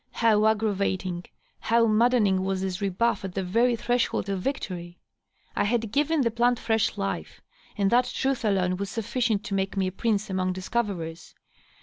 How aggravating, how maddening, was this rebuff at the very threshold of victory ! I had given the plant firesh life, and that truth alone was sufficient to make me a prince among discoverers.